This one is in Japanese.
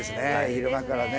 昼間からね。